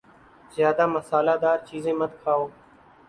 زیادہ مصالہ دار چیزیں مت کھاؤ